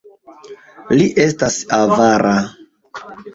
Li estas avara!